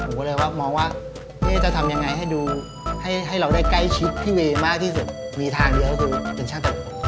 ผมก็เลยว่ามองว่าจะทำยังไงให้ดูให้เราได้ใกล้ชิดพี่เวย์มากที่สุดมีทางเดียวก็คือเป็นชาติ